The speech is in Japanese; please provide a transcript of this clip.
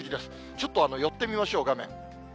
ちょっと寄ってみましょう、画面。